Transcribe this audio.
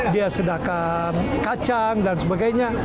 dia sedakan kacang dan sebagainya